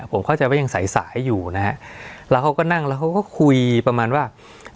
ผมเข้าใจว่ายังสายสายอยู่นะฮะแล้วเขาก็นั่งแล้วเขาก็คุยประมาณว่า